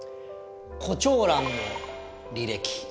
「コチョウランの履歴」。